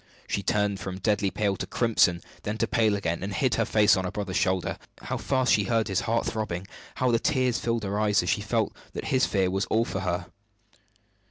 She turned from deadly pale to crimson, then to pale again, and hid her face on her brother's shoulder. How fast she heard his heart throbbing! How the tears filled her eyes as she felt that his fear was all for her!